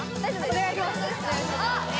お願いします